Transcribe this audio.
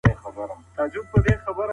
ایا ته د تاریخي اثارو په مانا پوهېږې؟